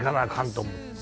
と思って。